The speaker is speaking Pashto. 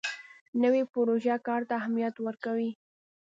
نوې پروژه کار ته اهمیت ورکوي